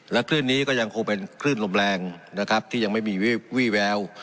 และคืนนี้ก็ยังคงเป็นขึ้นรมแรงที่ยังไม่มีวี่แวว